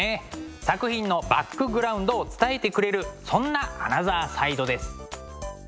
作品のバックグラウンドを伝えてくれるそんなアナザーサイドです。